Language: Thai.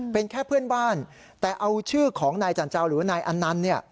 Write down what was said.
เป็นแค่เพื่อนบ้านแต่เอาชื่อของนายจันเจ้าหรือนายอันนันต์เนี่ย